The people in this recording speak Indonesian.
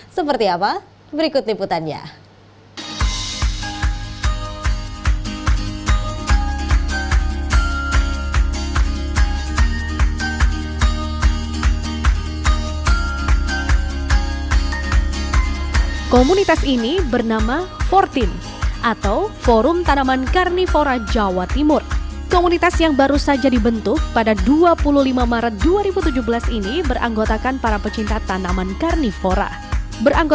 seperti apa berikut niputannya